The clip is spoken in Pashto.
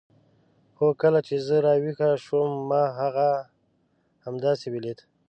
هو کله چې زه راویښه شوم ما هغه همداسې ولید.